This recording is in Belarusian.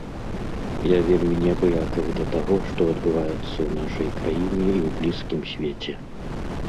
Я вельмі неабыякавы да таго, што адбываецца ў нашай краіне і ў блізкім свеце.